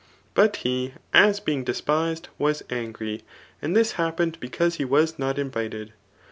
But he, as being despised, was angry ; and this happened because he was not invited.